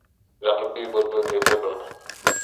রানু কী বলবে ভেবে পেল না।